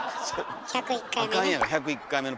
「１０１回目」ね。